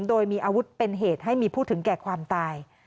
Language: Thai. โดยมีอาวุธเป็นเหตุให้มีผู้ถึงแก่ความตาย